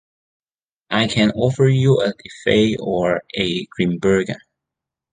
I can offer you a Leffe or a Grimbergen.